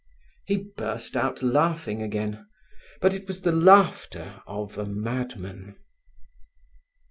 He burst out laughing again, but it was the laughter of a madman.